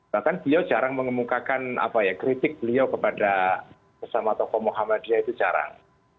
bahkan beliau jarang mengemukakan kritik beliau kepada sesama tokoh muhammadiyah itu jarang